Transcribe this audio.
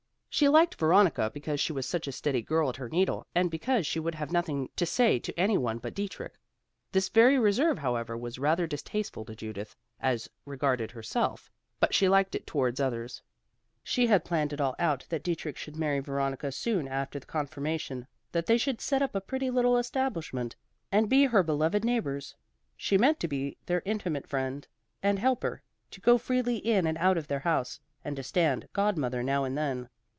She liked Veronica because she was such a steady girl at her needle, and because she would have nothing to say to any one but Dietrich. This very reserve however, was rather distasteful to Judith as regarded herself, but she liked it towards others. She had planned it all out that Dietrich should marry Veronica soon after the confirmation, that they should set up a pretty little establishment, and be her beloved neighbors. She meant to be their intimate friend and helper, to go freely in and out of their house, and to stand god mother now and then.